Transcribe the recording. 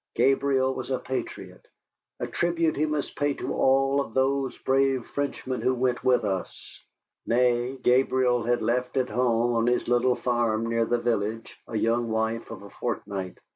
Gabriel was a patriot, a tribute we must pay to all of those brave Frenchmen who went with us. Nay, Gabriel had left at home on his little farm near the village a young wife of a fortnight.